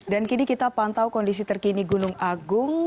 dan kini kita pantau kondisi terkini gunung agung